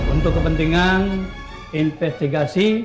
untuk kepentingan investigasi